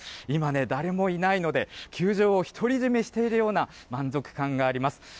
今ね、誰もいないので、球場を独り占めしているような、満足感があります。